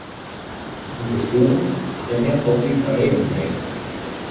In gefoel hat ek net altyd in reden nedich.